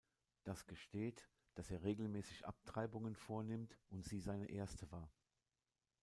Das gesteht, dass er regelmäßig Abtreibungen vornimmt und sie seine erste war.